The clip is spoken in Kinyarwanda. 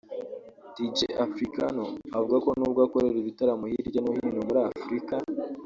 Dj Africano avuga ko nubwo akorera ibitaramo hirya no hino muri Afurika